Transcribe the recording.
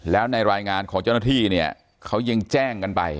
แล้วในรายงานของเจ้าหน้าที่เนี่ยเขายังแจ้งกันไป